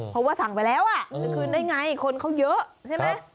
เพราะว่าสั่งไปแล้วจะคืนได้ไงคนเขาเยอะใช่ไหม